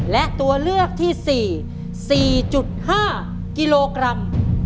และตัวเลือกที่๔๔๕กิโลกรัม